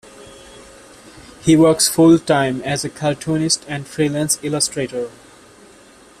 He works full-time as a cartoonist and freelance illustrator.